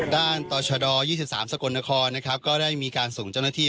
ด้านตชด๒๓สกตรนได้มีการส่งเจ้าหน้าที่